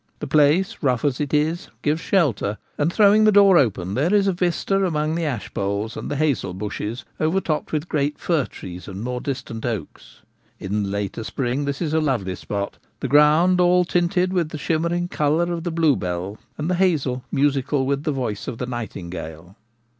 The place, rough as it is, gives shelter, and, throwing the door open, there is a vista among the ash poles and the hazel bushes over topped with great fir trees and more distant oaks. In the later spring this is a lovely spot, the ground all tinted with the shimmering colour of the blue bells, and the hazel musical with the voice of the nightingale.